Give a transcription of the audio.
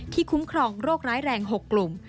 คุ้มครองโรคร้ายแรง๖กลุ่ม